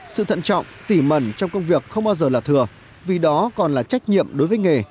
sự thận trọng tỉ mẩn trong công việc không bao giờ là thừa vì đó còn là trách nhiệm đối với nghề